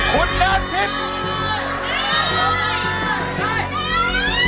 คุณน้ำทิพย์